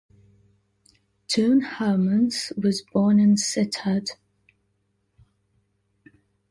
Toon Hermans was born in Sittard.